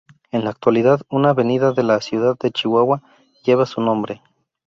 En la actualidad una avenida de la ciudad de Chihuahua lleva su nombre.